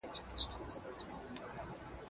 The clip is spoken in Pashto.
د ستورو په رڼا به رویباري کوو د میني